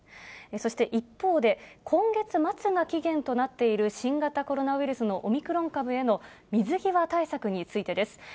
そして、一方で、今月末が期限となっている新型コロナウイルスのオミクロン株への水際対策についてです。